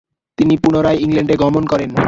তিনি পুনরায় ইংল্যান্ডে গমন করেন।